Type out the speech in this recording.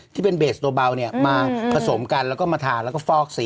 ที่เป็นเบสตัวเบามาผสมกันแล้วก็มาทานแล้วก็ฟอกสี